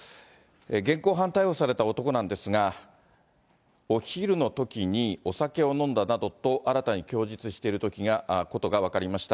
現行犯逮捕された男なんですが、お昼のときにお酒を飲んだなどと、新たに供述していることが分かりました。